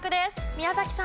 宮崎さん。